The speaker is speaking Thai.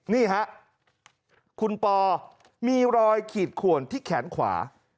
นี่ฮะคุณปอมีรอยขีดขวนที่แขนขวา